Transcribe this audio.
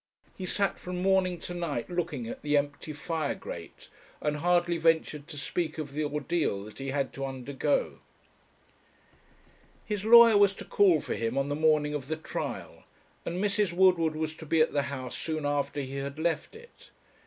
He sat from morning to night looking at the empty fire grate, and hardly ventured to speak of the ordeal that he had to undergo. His lawyer was to call for him on the morning of the trial, and Mrs. Woodward was to be at the house soon after he had left it.